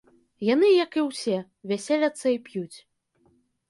Яны, як і ўсе, вяселяцца і п'юць.